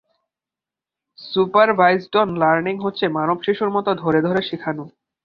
Supervised learning হচ্ছে মানব শিশুর মত ধরে ধরে শিখানো।